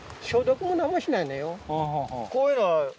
こういうのは？